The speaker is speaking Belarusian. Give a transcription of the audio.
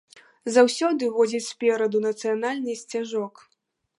Заўсёды возіць спераду нацыянальны сцяжок.